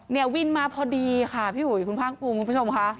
เนี่ยวินมาพอดีค่ะพี่อุ๋ยคุณภาคภูมิคุณผู้ชมค่ะ